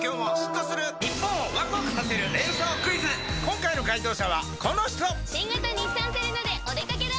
今回の解答者はこの人新型日産セレナでお出掛けだ！